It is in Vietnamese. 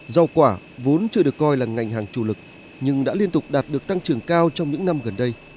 rau quả vốn chưa được coi là ngành hàng chủ lực nhưng đã liên tục đạt được tăng trưởng cao trong những năm gần đây